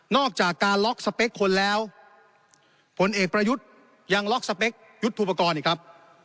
อกจากการล็อกสเปคคนแล้วผลเอกประยุทธ์ยังล็อกสเปคยุทธุปกรณ์อีกครับ